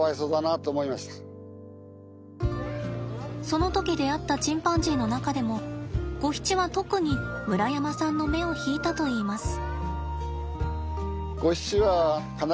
その時出会ったチンパンジーの中でもゴヒチは特に村山さんの目を引いたといいます。